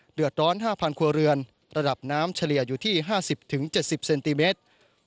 เดือดร้อน๕๐๐ครัวเรือนระดับน้ำเฉลี่ยอยู่ที่๕๐๗๐เซนติเมตร